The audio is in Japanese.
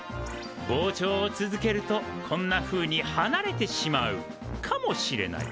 膨張を続けるとこんなふうにはなれてしまうかもしれない。